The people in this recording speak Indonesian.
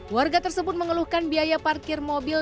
warga tersebut mengeluhkan biaya parkir mobil